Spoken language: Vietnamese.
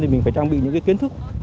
thì mình phải trang bị những kiến thức